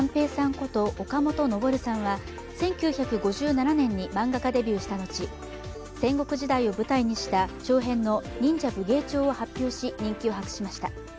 こと岡本登さんは１９５７年に漫画家デビューした後、戦国時代を舞台にした長編の「忍者武芸帳」を発表し人気を博しました。